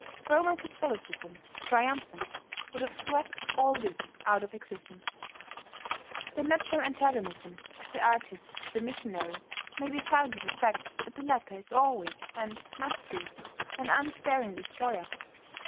Roman Catholicism, triumphant, would have swept all this out of existence. The natural antagonism of the artist to the missionary may be found in the fact that the latter is always, and must be, an unsparing destroyer.